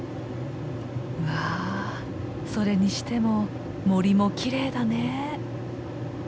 わそれにしても森もきれいだね。